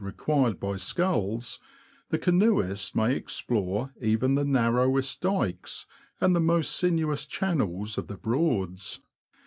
required by sculls, the canoeist may explore even the narrowest dykes and the most sinuous channels of the Broads.